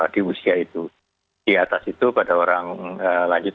di number dua kekebalan kekebalan yang terkenal itu